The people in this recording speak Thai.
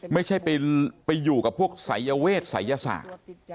ไม่ใช่ไปอยู่กับพวกศัยเวชศัยยศาสตร์